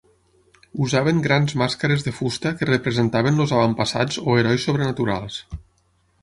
Usaven grans màscares de fusta que representaven els avantpassats o herois sobrenaturals.